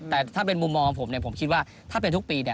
แต่ถ้าเป็นมุมมองของผมผมคิดว่าถ้าเป็นทุกปี